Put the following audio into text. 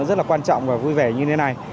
rất là quan trọng và vui vẻ như thế này